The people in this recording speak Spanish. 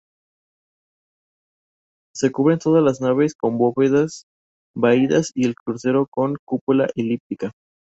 Se cubren todas las naves con bóvedas vaídas y el crucero con cúpula elíptica.